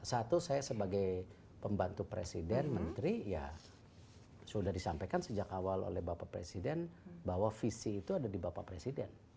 satu saya sebagai pembantu presiden menteri ya sudah disampaikan sejak awal oleh bapak presiden bahwa visi itu ada di bapak presiden